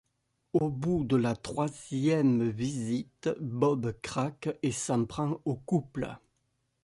Au bout de la troisième visite, Bob craque et s'en prend au couple.